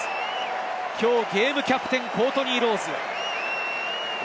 きょうゲームキャプテンのコートニー・ロウズ。